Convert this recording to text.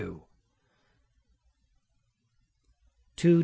'TO DR.